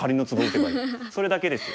それだけです。